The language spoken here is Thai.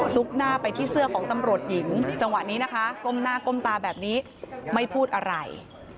หน้าไปที่เสื้อของตำรวจหญิงจังหวะนี้นะคะก้มหน้าก้มตาแบบนี้ไม่พูดอะไร